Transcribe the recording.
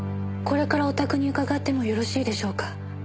「これからお宅に伺ってもよろしいでしょうか？」